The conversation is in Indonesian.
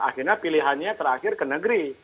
akhirnya pilihannya terakhir ke negeri